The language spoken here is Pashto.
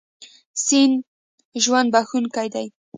سیند ژوند بښونکی دی.